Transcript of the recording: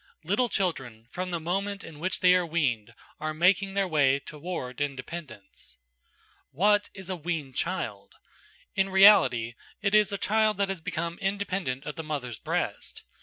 Little children, from the moment in which they are weaned, are making their way toward independence. What is a weaned child? In reality it is a child that has become independent of the mother's breast.